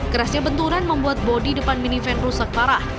kerasnya benturan membuat bodi depan minifan rusak parah